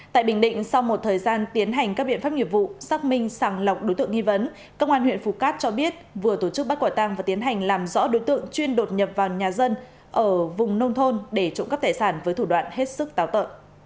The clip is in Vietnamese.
tại bình định sau một thời gian tiến hành các biện pháp nghiệp vụ xác minh sàng lọc đối tượng nghi vấn công an huyện phù cát cho biết vừa tổ chức bắt quả tang và tiến hành làm rõ đối tượng chuyên đột nhập vào nhà dân ở vùng nông thôn để trộm cắp tài sản với thủ đoạn hết sức táo tợ